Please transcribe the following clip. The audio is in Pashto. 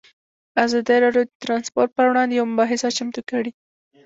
ازادي راډیو د ترانسپورټ پر وړاندې یوه مباحثه چمتو کړې.